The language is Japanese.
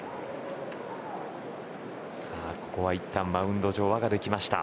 ここはいったんマウンド上、輪ができました。